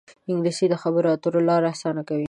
انګلیسي د خبرو اترو لاره اسانه کوي